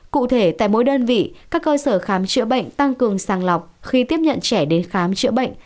cụ thể tại mỗi đơn vị các cơ sở khám chữa bệnh tăng cường sàng lọc khi tiếp nhận trẻ đến khám chữa bệnh